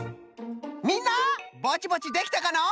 みんなぼちぼちできたかの？